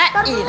eh taruh dulu